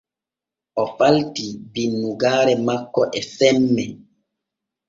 O falti binnugaare makko e semmee.